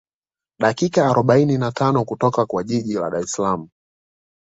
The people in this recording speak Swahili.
Dakika arobaini na tano kutoka kwa jiji la Dar es Salaam